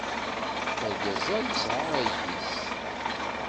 Argaz-a yesɛa ayis.